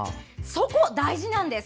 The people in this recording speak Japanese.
そこ、大事なんです。